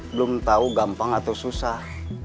belum tahu gampang atau susah